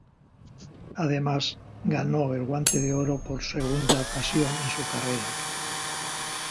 Además, ganó el Guante de Oro por segunda ocasión en su carrera.